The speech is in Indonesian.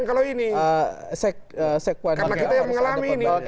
karena kita yang mengalami ini